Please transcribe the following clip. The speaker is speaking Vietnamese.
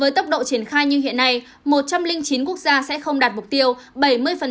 với tốc độ triển khai như hiện nay một trăm linh chín quốc gia sẽ không đặt mục tiêu